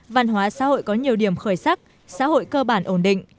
văn hóa xã hội có nhiều điểm khởi sắc xã hội cơ bản ổn định